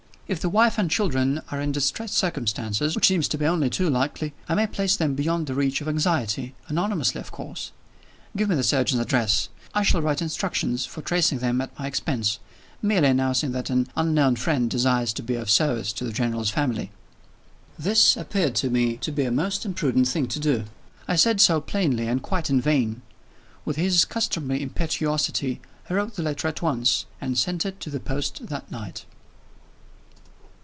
If the wife and children are in distressed circumstances (which seems to be only too likely) I may place them beyond the reach of anxiety anonymously, of course. Give me the surgeon's address. I shall write instructions for tracing them at my expense merely announcing that an Unknown Friend desires to be of service to the General's family." This appeared to me to be a most imprudent thing to do. I said so plainly and quite in vain. With his customary impetuosity, he wrote the letter at once, and sent it to the post that night.